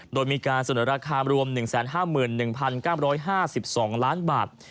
โดยมีการเสนอราคารวม๑๕๑๙๕๒ล้านบาท